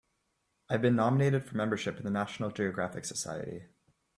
I've been nominated for membership in the National Geographic Society.